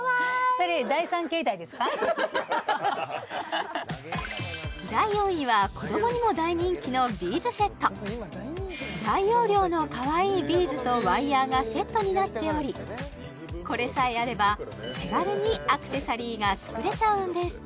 それ第４位は子どもにも大人気のビーズセット大容量の可愛いビーズとワイヤーがセットになっておりこれさえあれば手軽にアクセサリーが作れちゃうんです